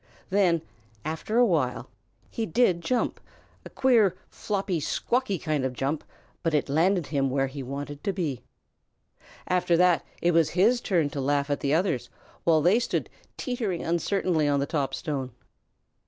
Then, after a while, he did jump, a queer, floppy, squawky kind of jump, but it landed him where he wanted to be. After that it was his turn to laugh at the others while they stood teetering uncertainly on the top stone.